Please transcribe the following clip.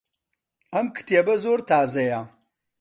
ئەم کتێبە زۆر تازەیە.